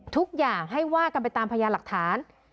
ทุกอย่างให้ว่ากันไปตามพยานหลักฐาน